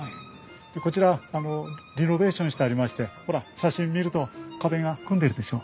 でこちらリノベーションしてありましてほら写真見ると壁が組んでるでしょ。